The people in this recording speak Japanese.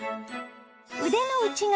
腕の内側